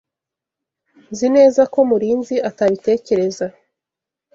Nzi neza ko Murinzi atabitekereza.